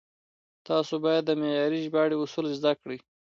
تاسو بايد د معياري ژباړې اصول زده کړئ.